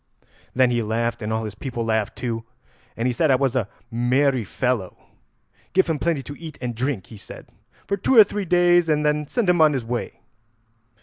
Then he laughed, and all his people laughed too, and he said I was a merry fellow. 'Give him plenty to eat and drink,' he said, 'for two or three days, and then send him on his way.'